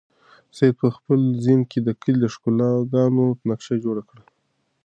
سعید په خپل ذهن کې د کلي د ښکلاګانو نقشه جوړه کړه.